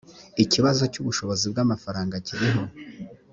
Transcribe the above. ikibazo cy ubushobozi bw amafaranga kiriho